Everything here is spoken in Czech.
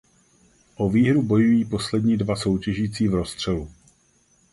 O výhru bojují poslední dva soutěžící v rozstřelu.